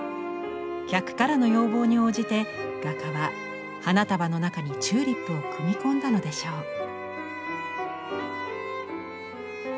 客からの要望に応じて画家は花束の中にチューリップを組み込んだのでしょう。